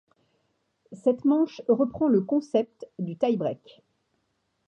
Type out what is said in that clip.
Cette manche reprend le concept du tie-break.